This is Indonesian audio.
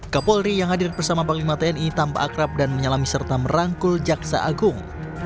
kapolri yang hadir bersama panglima tni tampak akrab dan menyalami serta merangkul jaksa agung